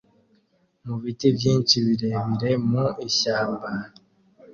mu biti byinshi birebire mu ishyamba